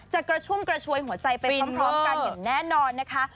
จะกระชุ่มกระชวยหัวใจไปพร้อมกันอย่างแน่นอนนะคะ